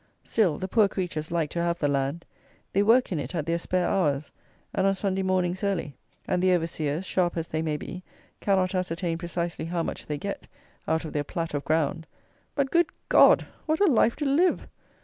Still the poor creatures like to have the land: they work in it at their spare hours; and on Sunday mornings early: and the overseers, sharp as they may be, cannot ascertain precisely how much they get out of their plat of ground. But, good God! what a life to live!